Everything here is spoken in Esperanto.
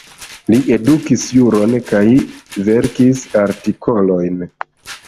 Li edukis juron kaj verkis artikolojn.